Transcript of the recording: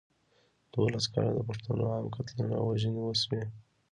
دولس کاله د پښتنو عام قتلونه او وژنې وشوې.